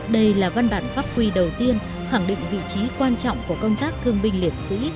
đây là văn bản pháp quy đầu tiên khẳng định vị trí quan trọng của công tác thương binh liệt sĩ